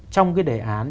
trong cái đề án